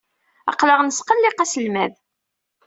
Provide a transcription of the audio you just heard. Aql-aɣ la nesqelliq aselmad.